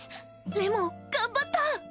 れもん頑張った！